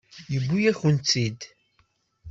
Yewwi-yakent-tt-id.